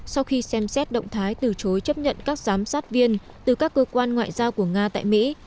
sau khi xem xét động thái từ chối chấp nhận các giám sát viên từ các cơ quan ngoại giao của nga tại mỹ